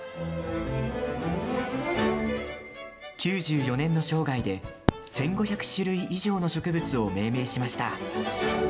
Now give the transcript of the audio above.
９４年の生涯で１５００種類以上の植物を命名しました。